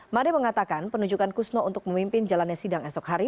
made mengatakan penunjukan kusno untuk memimpin jalannya sidang esok hari